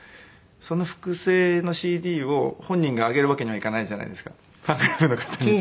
その複製のＣＤを本人があげるわけにはいかないじゃないですかファンクラブの方に。